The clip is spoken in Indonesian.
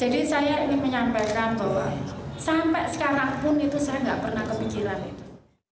jadi saya ini menyampaikan bahwa sampai sekarang pun itu saya tidak pernah kepikiran itu